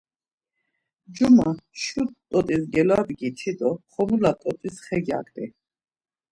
Cuma, şu t̆ot̆is gelodgiti do xomula t̆ot̆is xe gyaǩni.